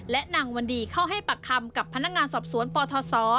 และนางวันดีเข้าให้ปากคำกับพนักงานสอบสวนปทศ